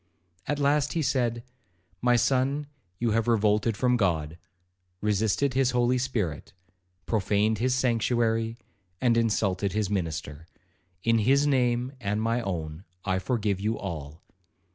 At last he said, 'My son, you have revolted from God, resisted his Holy Spirit, profaned his sanctuary, and insulted his minister,—in his name and my own I forgive you all.